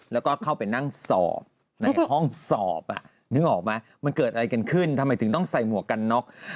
แล้วก็เข้าไปนั่งสอบในห้องสอบนึกออกไหมมันเกิดอะไรกันขึ้นทำไมถึงต้องใส่หมวกกันน็อก